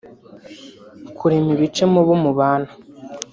kurema ibice mu bo mubana